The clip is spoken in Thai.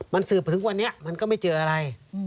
มันสืบถึงวันนี้มันก็ไม่เจออะไร